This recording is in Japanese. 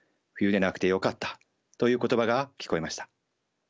「冬でなくてよかった」という言葉が聞こえました。